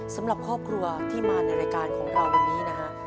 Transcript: สำหรับครอบครัวที่มาในรายการของเราวันนี้นะฮะ